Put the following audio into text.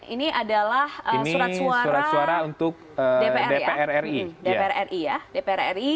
ini adalah surat suara untuk dpr ri